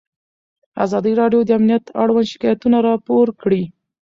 ازادي راډیو د امنیت اړوند شکایتونه راپور کړي.